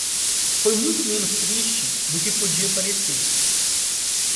foi muito menos triste do que podia parecer